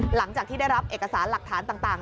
หลังจากที่ได้รับเอกสารหลักฐานต่าง